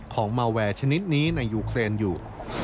ของมาแวร์ชนิดนี้ในยูเครนอยู่